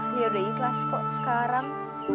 ya udah ikhlas kok sekarang